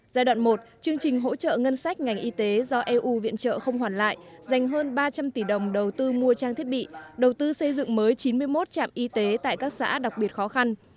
giai đoạn một chương trình hỗ trợ ngân sách ngành y tế do eu viện trợ không hoàn lại dành hơn ba trăm linh tỷ đồng đầu tư mua trang thiết bị đầu tư xây dựng mới chín mươi một trạm y tế tại các xã đặc biệt khó khăn